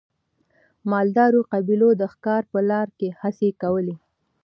مالدارو قبیلو د ښکار په لاره کې هڅې کولې.